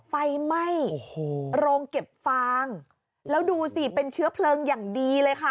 ไฟไหม้โอ้โหโรงเก็บฟางแล้วดูสิเป็นเชื้อเพลิงอย่างดีเลยค่ะ